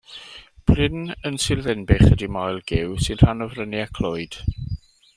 Bryn yn Sir Ddinbych ydy Moel Gyw, sy'n rhan o Fryniau Clwyd.